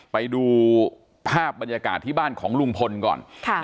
ไปดูภาพบรรยากาศที่บ้านของลุงพลก่อน